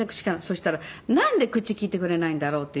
そしたらなんで口利いてくれないんだろうっていう事で。